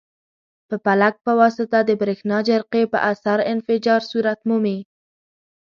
په پلک په واسطه د برېښنا جرقې په اثر انفجار صورت مومي.